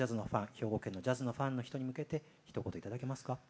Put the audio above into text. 兵庫県のジャズのファンの人に向けてひと言頂けますか？